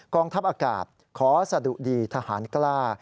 ทัพอากาศขอสะดุดีทหารกล้า